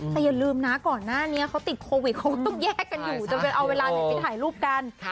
แต่อย่าลืมนะก่อนหน้านี้เขาติดโควิดเขาก็ต้องแยกกันอยู่จะไปเอาเวลาไหนไปถ่ายรูปกัน